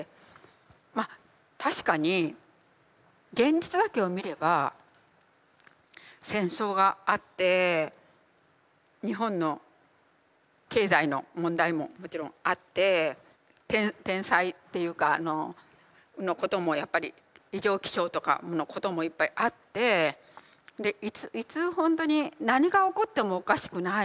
まあ確かに現実だけを見れば戦争があって日本の経済の問題ももちろんあって天災っていうかのこともやっぱり異常気象とかのこともいっぱいあっていつほんとに何が起こってもおかしくない。